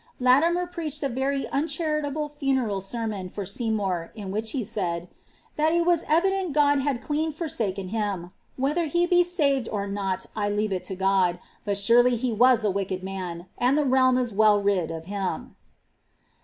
lAtimer preached every uncharitaUe fuoeral senooB far 8^ iDDur, in which he said, >* that it was evident God had clem hmim bun ; whether he be saved or not I leave it lo God, but surely be «aiB wicked man, and the realm is well rid of him.'"